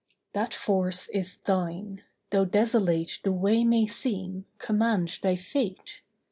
That force is thine. Though desolate The way may seem, command thy fate.